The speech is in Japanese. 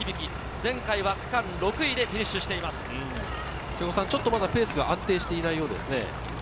前回は区間６位ちょっとまだペースが安定していないようですね。